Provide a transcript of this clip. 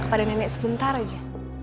kepada nenek sebentar aja